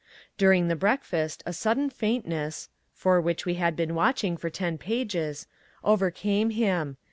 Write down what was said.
During the breakfast a sudden faintness (for which we had been watching for ten pages) overcame him.